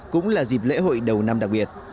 cũng là dịp lễ hội đầu năm đặc biệt